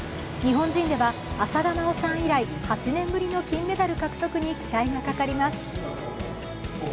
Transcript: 日本人では浅田真央さん以来８年ぶりの金メダル獲得に期待がかかります。